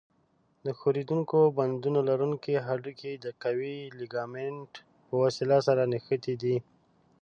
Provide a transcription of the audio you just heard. د ښورېدونکو بندونو لرونکي هډوکي د قوي لیګامنت په وسیله سره نښتي دي.